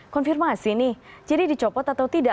konfirmasi nih jadi dicopot atau tidak